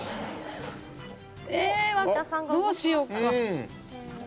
どうしよっか。